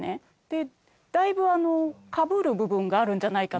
でだいぶかぶる部分があるんじゃないかと。